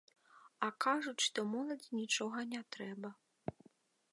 А кажуць, што моладзі нічога не трэба!